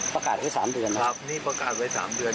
ประกาศไว้สามเดือนข้อมตอบไปสามเดือน